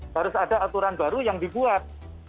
harus ada aturan baru yang dibuat